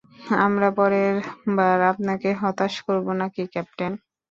আমরা পরেরবার আপনাকে হতাশ করবো নাকি, ক্যাপ্টেন।